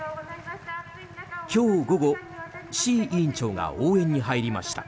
今日午後志位委員長が応援に入りました。